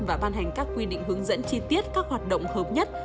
và ban hành các quy định hướng dẫn chi tiết các hoạt động hợp nhất